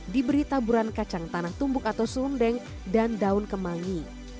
diberi taburan kacang tanah tumbuk atau sundeng dan daun kemangi